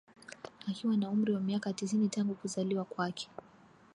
Akiwa na umri wa miaka tisini tangu kuzaliwa kwake